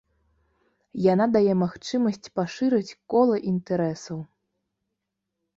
Яна дае магчымасць пашырыць кола інтарэсаў.